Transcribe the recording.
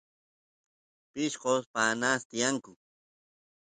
pishqos paaqpi tiyanku